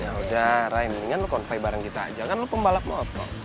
yaudah ray mendingan lo konfai bareng kita aja kan lo pembalap motor